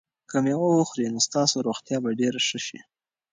که مېوه وخورئ نو ستاسو روغتیا به ډېره ښه شي.